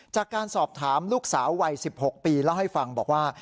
จากการสอบถามลูกสาววัย๑๖ปีเล่าให้ฟังบอกว่า